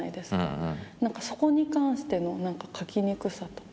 何かそこに関しての書きにくさとか。